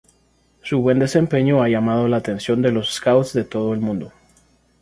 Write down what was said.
Su buen desempeño ha llamado la atención de los scouts de todo el mundo.